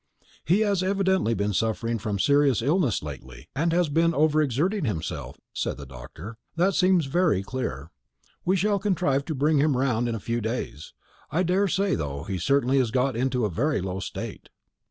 "He has evidently been suffering from serious illness lately, and has been over exerting himself," said the doctor; "that seems very clear. We shall contrive to bring him round in a few days, I daresay, though he certainly has got into a very low state."